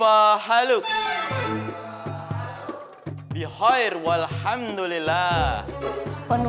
aduh aku lapar